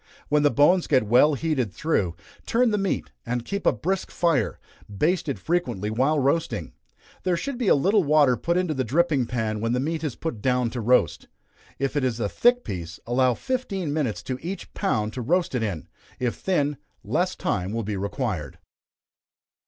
When the bones get well heated through, turn the meat, and keep a brisk fire baste it frequently while roasting. There should be a little water put into the dripping pan when the meat is put down to roast. If it is a thick piece, allow fifteen minutes to each pound to roast it in if thin, less time will be required.